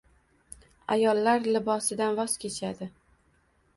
Ayollar libosidan voz kechadi.